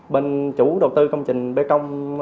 bên chủ đầu tư công trình bê công